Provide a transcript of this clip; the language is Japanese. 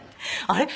あれ？